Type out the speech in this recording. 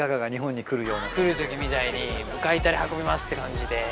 来る時みたいに外タレ運びますって感じで。